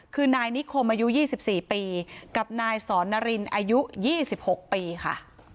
คือนายนิคมอายุยี่สิบสี่ปีกับนายสอนนรินอายุยี่สิบหกปีค่ะ